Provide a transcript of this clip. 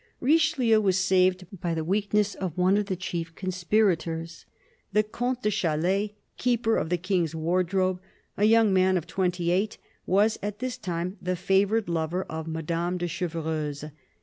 Richelieu was saved by the weakness of one of the chief conspirators. The Comte de Chalais, Keeper of the King's Wardrobe, a young man of twenty eight, was at this time the favoured lover of Madame de Chevreuse.